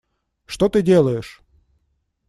Что ты делаешь?